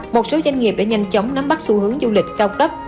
một số doanh nghiệp đã nhanh chóng nắm bắt xu hướng du lịch cao cấp